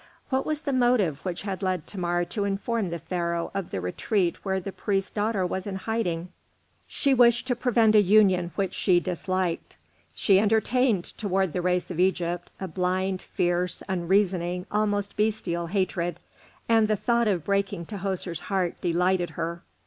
What was the motive which had led Thamar to inform the Pharaoh of the retreat where the priest's daughter was in hiding? She wished to prevent a union which she disliked. She entertained towards the race of Egypt, a blind, fierce, unreasoning, almost bestial hatred, and the thought of breaking Tahoser's heart delighted her.